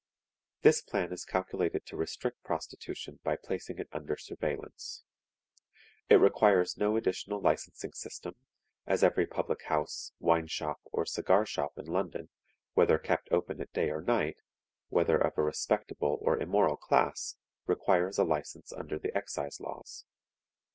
This plan is calculated to restrict prostitution by placing it under surveillance. It requires no additional licensing system, as every public house, wine shop, or cigar shop in London, whether kept open at day or night, whether of a respectable or immoral class, requires a license under the excise laws.